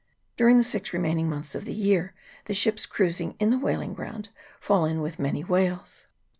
During the six remaining months of the year the ships cruising in the " whaling ground " fall in with many whales.